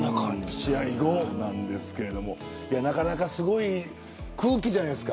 試合後なんですけどなかなかすごい空気じゃないですか。